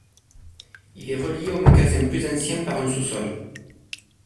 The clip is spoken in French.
Il est relié au magasin plus ancien par un sous-sol.